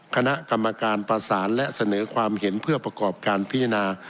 คณะกรรมการประสานและเสนอความเห็นเพื่อประกอบการพิจารณา